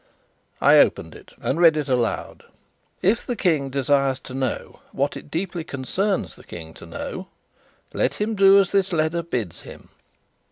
I opened it and read it aloud: "If the King desires to know what it deeply concerns the King to know, let him do as this letter bids him.